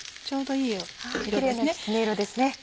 ちょうどいい色ですね。